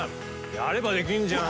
やればできんじゃん！